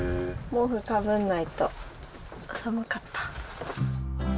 毛布かぶんないと、寒かった。